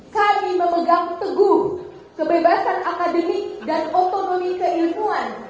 kami memegang teguh kebebasan akademik dan otonomi keilmuan